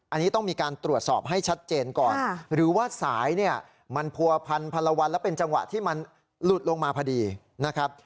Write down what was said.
อันนี้ต้องมีการตรวจสอบให้ชัดเจนก่อนหรือว่าสายเนี่ยมันผัวพันพันละวันและเป็นจังหวะที่มันหลุดลงมาพอดีนะครับ